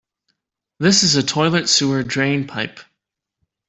This is a toilet sewer drain pipe.